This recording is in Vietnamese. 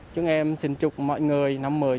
chúng em xin chúc mọi người năm mới